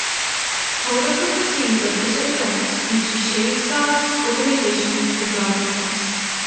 Part of the proceeds of this event went to Shehzad's organisation Zindagi Trust.